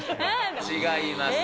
違います。